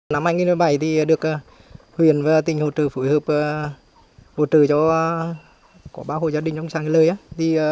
năm hai nghìn một mươi bảy được huyện và tỉnh hộ trừ phù hợp hộ trừ cho ba hộ gia đình trong xã nghĩa lợi